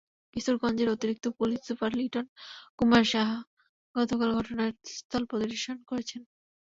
কিশোরগঞ্জের অতিরিক্ত police super Liton Kumar Saha গতকাল ঘটনাস্থল পরিদর্শন করেছেন।